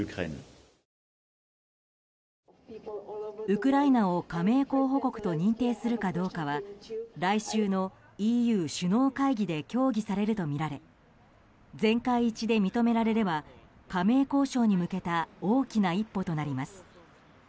ウクライナを加盟候補国と認定するかどうかは来週のＥＵ首脳会議で協議されるとみられ全会一致で認められれば加盟交渉に向けた大きな一歩となります。